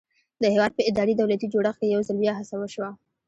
د هېواد په اداري دولتي جوړښت کې یو ځل بیا هڅه وشوه.